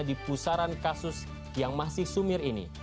di pusaran kasus yang masih sumir ini